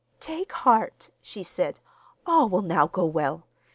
'Take heart,' she said, 'all will now go well!